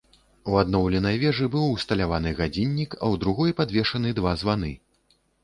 У адноўленай вежы быў усталяваны гадзіннік, а ў другой падвешаны два званы.